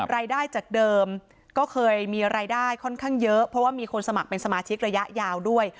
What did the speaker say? รายได้จากเดิมก็เคยมีรายได้ค่อนข้างเยอะเพราะว่ามีคนสมัครเป็นสมาชิกระยะยาวด้วย